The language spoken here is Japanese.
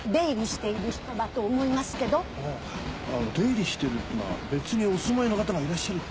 あの「出入りしている」っていうのは別にお住まいの方がいらっしゃるっていう事ですか？